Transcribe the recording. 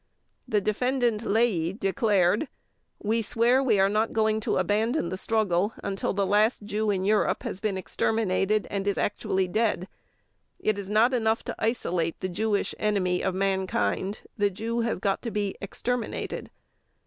The Defendant LEY declared: "We swear we are not going to abandon the struggle until the last Jew in Europe has been exterminated and is actually dead. It is not enough to isolate the Jewish enemy of mankind—the Jew has got to be exterminated."